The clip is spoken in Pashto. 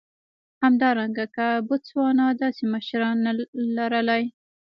همدارنګه که بوتسوانا داسې مشران نه لر لای.